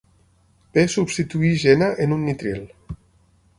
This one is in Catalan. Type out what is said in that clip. P substitueix N en un nitril.